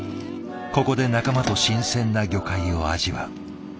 ここで仲間と新鮮な魚介を味わう。